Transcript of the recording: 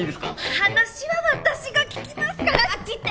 話は私が聞きますからあっち行って！